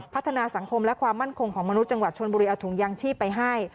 พัฒนาสังคมและความมั่นคงของมนุษย์จังหวัดชนบุรีเอาถุงยางชีพไปให้